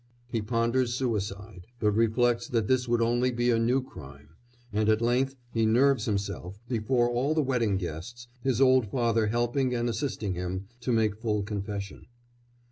He ponders suicide, but reflects that this would only be a new crime, and at length he nerves himself, before all the wedding guests, his old father helping and assisting him, to make full confession.